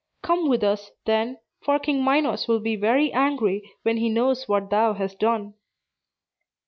Come with us, then; for King Minos will be very angry when he knows what thou hast done."